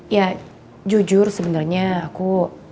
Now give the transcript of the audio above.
ya jujur sebenernya aku